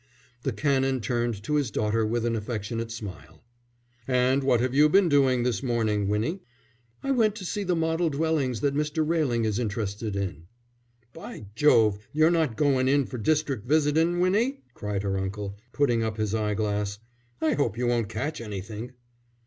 The Canon turned to his daughter with an affectionate smile. "And what have you been doing this morning, Winnie?" "I went to see the model dwellings that Mr. Railing is interested in." "By Jove, you're not goin' in for district visitin', Winnie?" cried her uncle, putting up his eye glass. "I hope you won't catch anything."